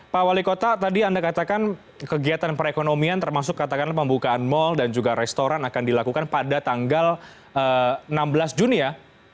pak wali kota tadi anda katakan kegiatan perekonomian termasuk katakanlah pembukaan mal dan juga restoran akan dilakukan pada tanggal enam belas juni ya